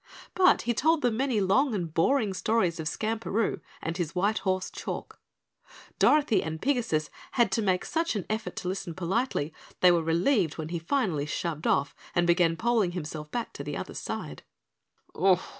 But he told them many long and boring stories of Skamperoo and his white horse Chalk. Dorothy and Pigasus had to make such an effort to listen politely they were relieved when he finally shoved off and began poling himself back to the other side.